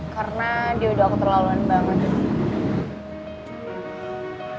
karena dia udah aku terlaluan banget